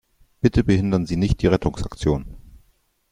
Bitte behindern Sie nicht die Rettungsaktion!